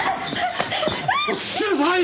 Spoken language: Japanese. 落ち着きなさい！